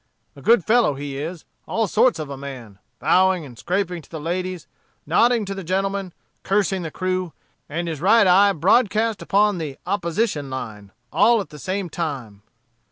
A good fellow he is all sorts of a man bowing and scraping to the ladies, nodding to the gentlemen, cursing the crew, and his right eye broad cast upon the 'opposition line,' all at the same time.